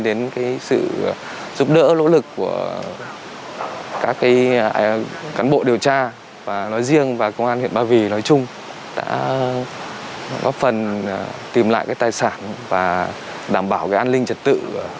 đến sự giúp đỡ nỗ lực của các cán bộ điều tra nói riêng và công an huyện ba vì nói chung đã góp phần tìm lại tài sản và đảm bảo an ninh trật tự